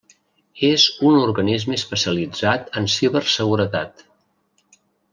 És un organisme especialitzat en ciberseguretat.